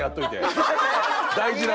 大事な。